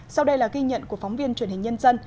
sau đây là ghi nhận của phóng viên truyền hình nhân dân